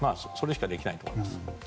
それしかできないと思います。